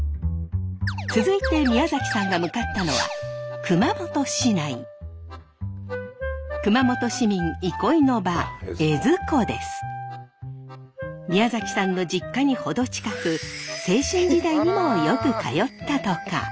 続いて宮崎さんが向かったのは熊本市民憩いの場宮崎さんの実家に程近く青春時代にもよく通ったとか。